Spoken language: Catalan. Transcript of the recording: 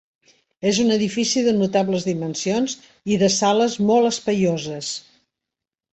És un edifici de notables dimensions i de sales molt espaioses.